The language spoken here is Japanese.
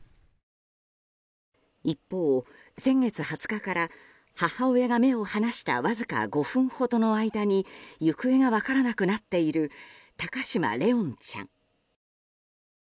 一方、先月２０日から母親が目を離したわずか５分ほどの間に行方が分からなくなっている高嶋怜音ちゃん。